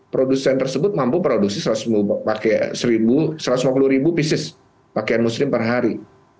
produsen tersebut mampu produksi satu ratus lima puluh ribu pieces pakaian muslim per hari